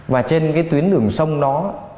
và trên cái tuyến đường sông đó